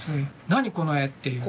何この絵っていう。